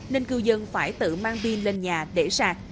nên cư dân phải tự mang pin lên nhà để sạc